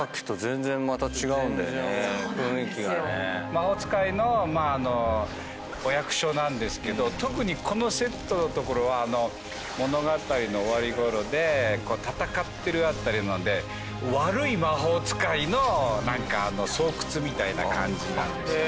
魔法使いのお役所なんですけど特にこのセットのところは物語の終わりごろで戦ってる辺りなので悪い魔法使いの何か巣窟みたいな感じなんですよ。